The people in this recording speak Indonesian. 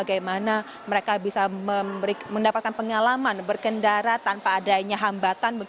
bagaimana mereka bisa mendapatkan pengalaman berkendara tanpa adanya hambatan